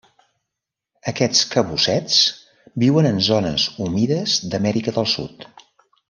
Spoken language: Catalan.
Aquests cabussets viuen en zones humides d'Amèrica del Sud.